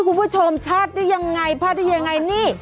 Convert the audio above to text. คุณผู้ชมชัดหรือยังไงพลาดด้วยยังไง